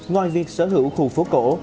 ngoài việc sở hữu khu phố cổ